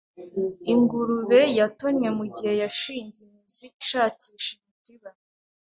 Ingurube yatonye mugihe yashinze imizi ishakisha imitiba.